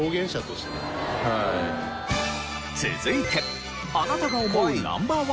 続いてあなたが思うＮｏ．１